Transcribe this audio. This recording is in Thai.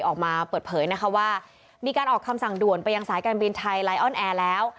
ออกมาเปิดเผยนะคะว่ามีการออกคำสั่งด่วนไปยังสายการบินไทยไลออนแอร์แล้ว